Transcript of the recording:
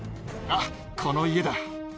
あっ、この家だ。